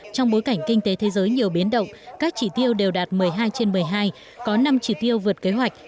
trong bối cảnh kinh tế thế giới nhiều biến động các chỉ tiêu đều đạt một mươi hai trên một mươi hai có năm chỉ tiêu vượt kế hoạch